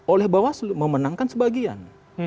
oleh bawaslu memenangkan sebagian